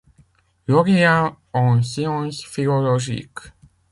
Lauréat en sciences philologiques.